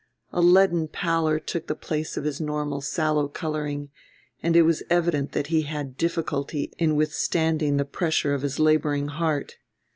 A leaden pallor took the place of his normal sallow coloring, and it was evident that he had difficulty in withstanding the pressure of his laboring heart.